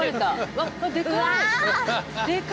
うわっでかい。